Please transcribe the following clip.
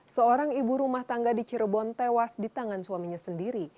seorang ibu rumah tangga di cirebon tewas di tangan suaminya sendiri